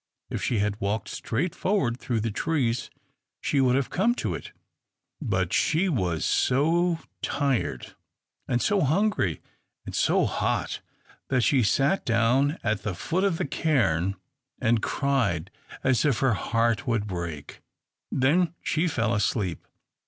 If she had walked straight forward through the trees she would have come to it; but she was so tired, and so hungry, and so hot, that she sat down at the foot of the cairn and cried as if her heart would break. Then she fell asleep.